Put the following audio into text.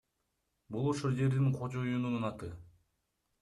Бул ошол жердин кожоюнунун аты.